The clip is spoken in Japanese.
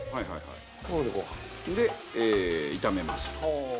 で炒めます。